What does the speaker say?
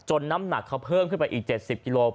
จนน้ำหนักเขาเพิ่มขึ้นไปก็อีก๗๐กิโลกรัม